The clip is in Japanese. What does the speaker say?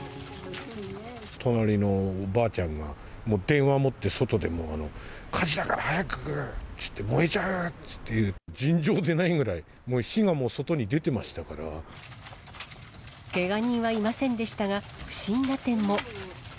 隣のおばあちゃんが、電話持って外でもう、火事だから早く！って言って、燃えちゃうって言って、尋常じゃないぐらい、もう火が外に出てまけが人はいませんでしたが、不審な点も。